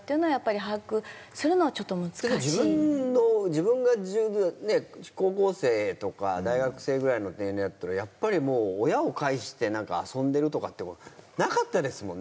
自分が高校生とか大学生ぐらいの年齢だったらもう親を介して遊んでるとかなかったですもんね。